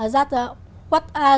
và ở trường hợp này